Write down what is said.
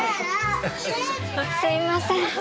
すいません。